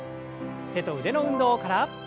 手と腕の運動から。